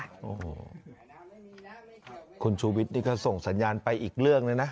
โอ้โหคุณชูวิทย์นี่ก็ส่งสัญญาณไปอีกเรื่องเลยนะ